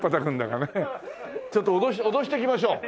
ちょっと脅してきましょう。